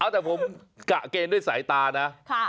แต่ผมกะเกณฑ์ด้วยสายตานะ